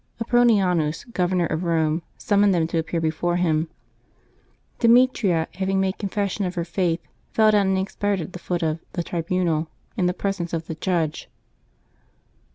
Apronianus, Governor of Eome, summoned them to appear before him. Demetria, having made confession of her faith, fell down and expired at the foot of the tribunal, in the presence of the judge.